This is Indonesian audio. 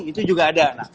itu juga ada